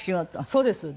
そうですね。